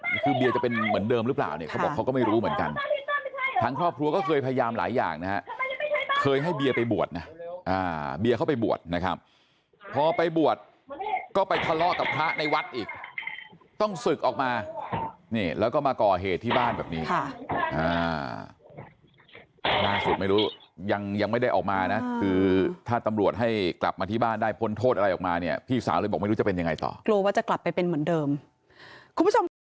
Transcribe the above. ว่าเกิดว่าเกิดว่าเกิดว่าเกิดว่าเกิดว่าเกิดว่าเกิดว่าเกิดว่าเกิดว่าเกิดว่าเกิดว่าเกิดว่าเกิดว่าเกิดว่าเกิดว่าเกิดว่าเกิดว่าเกิดว่าเกิดว่าเกิดว่าเกิดว่าเกิดว่าเกิดว่าเกิดว่าเกิดว่าเกิดว่าเกิดว่าเกิดว่าเกิดว่าเกิดว่าเกิดว่าเ